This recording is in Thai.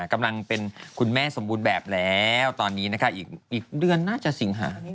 กำลังเป็นคุณแม่สมบูรณ์แบบแล้วตอนนี้นะคะอีกเดือนน่าจะสิงหานี้